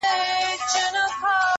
خپل اصول د ګټې قرباني مه کړئ!